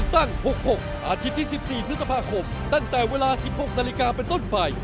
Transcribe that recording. ตั้งแต่เวลา๑๖นาฬิกาเป็นต้นไป